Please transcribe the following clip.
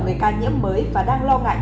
về ca nhiễm mới và đang lo ngại